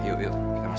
yuk yuk yuk